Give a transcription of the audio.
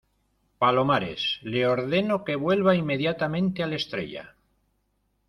palomares, le ordeno que vuelva inmediatamente al Estrella.